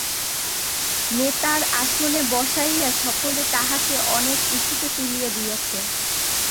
নেতার আসনে বসাইয়া সকলে তাহাকে অনেক উঁচুতে তুলিয়া দিয়াছে।